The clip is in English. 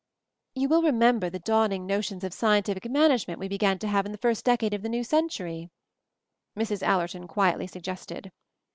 "You will remember the dawning notions of 'scientific management' we began to have in the first decade of the new century," Mrs. Allerton quietly suggested.